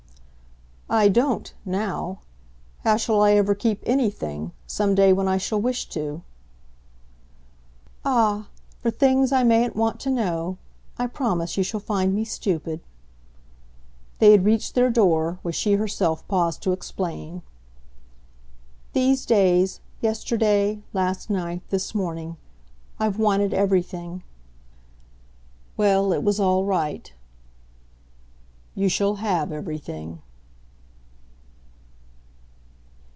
"I don't now. How shall I ever keep anything some day when I shall wish to?" "Ah, for things I mayn't want to know, I promise you shall find me stupid." They had reached their door, where she herself paused to explain. "These days, yesterday, last night, this morning, I've wanted everything." Well, it was all right. "You shall have everything."